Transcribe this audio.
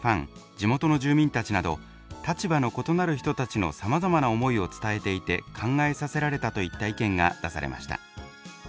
地元の住民たちなど立場の異なる人たちのさまざまな思いを伝えていて考えさせられた」といった意見が出されました。